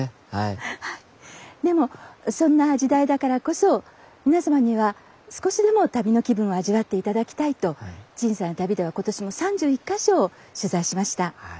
でもそんな時代だからこそ皆さまには少しでも旅の気分を味わって頂きたいと「小さな旅」では今年も３１か所を取材しました。